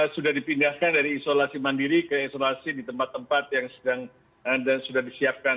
sudah dipindahkan dari isolasi mandiri ke isolasi di tempat tempat yang sedang dan sudah disiapkan